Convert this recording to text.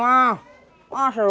masa rumah keselirian gini